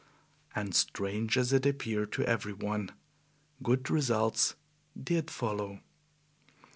And strange as it appeared to every one, good results did follow.